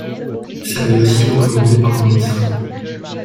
Ça m’est aussi recommandé par mon médecin.